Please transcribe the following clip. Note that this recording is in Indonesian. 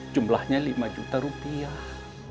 jumlahnya lima juta rupiah